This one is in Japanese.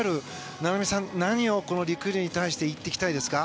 成美さん、何をりくりゅうに対して言っていきたいですか。